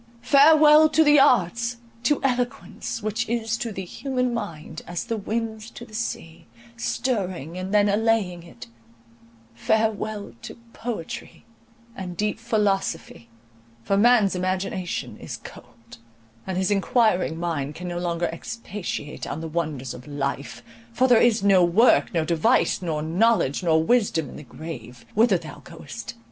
Farewell to the arts,—to eloquence, which is to the human mind as the winds to the sea, stirring, and then allaying it;—farewell to poetry and deep philosophy, for man's imagination is cold, and his enquiring mind can no longer expatiate on the wonders of life, for "there is no work, nor device, nor knowledge, nor wisdom in the grave, whither thou goest!"